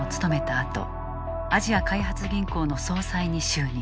あとアジア開発銀行の総裁に就任。